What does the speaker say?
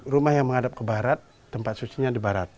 rumah yang menghadap ke barat tempat sucinya di barat